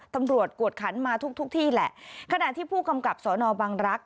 ตำรวจกวดขันมาทุกทุกที่แหละขณะที่ผู้กำกับสอนอบังรักษ